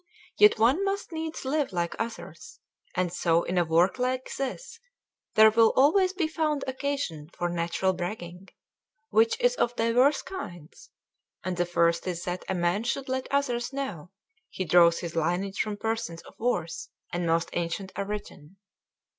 Yet one must needs live like others; and so in a work like this there will always be found occasion for natural bragging, which is of divers kinds, and the first is that a man should let others know he draws his lineage from persons of worth and most ancient origin.